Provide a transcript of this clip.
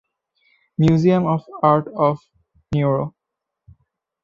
Museum of art of Nuoro.